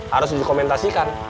harus di dokumentasikan